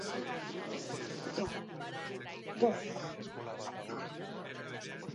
Bi ibilgailuk talka egin dute eta bi pertsona zauritu dira.